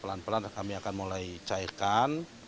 pelan pelan kami akan mulai cairkan